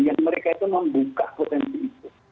yang mereka itu membuka potensi itu